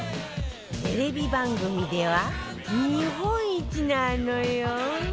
テレビ番組では日本一なのよ！